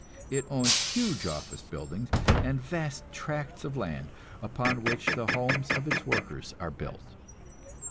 It owns huge office buildings, and vast tracts of land upon which the homes of its workers are built.